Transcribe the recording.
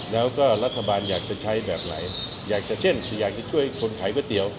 แล้วก็รัฐบาลอยากจะใช้แบบไหนอยากจะเช่นอยากจะช่วยคนขายก๋วยเตี๋ยว